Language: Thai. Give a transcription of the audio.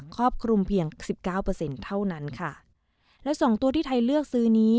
ครอบคลุมเพียงสิบเก้าเปอร์เซ็นต์เท่านั้นค่ะและสองตัวที่ไทยเลือกซื้อนี้